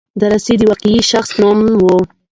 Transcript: دارسي د واقعي شخص نوم و.